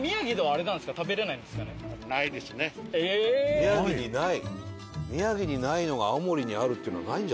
宮城にない？